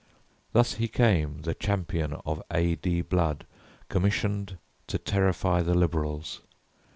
Thus he came, The champion of A. D. Blood, commissioned To terrify the liberals.